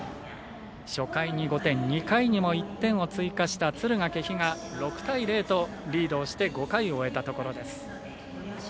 初回に５点２回にも１点を追加した敦賀気比が６対０とリードをして５回を終えたところです。